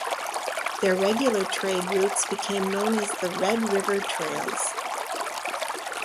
Their regular trade routes became known as the Red River Trails.